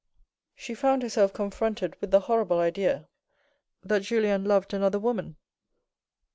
She found herself confronted with the horrible idea that Julien loved another woman.